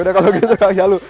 ya udah kalau gitu kang jalu